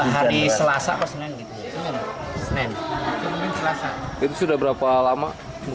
hari selasa atau senin